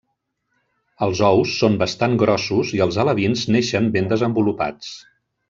Els ous són bastant grossos i els alevins neixen ben desenvolupats.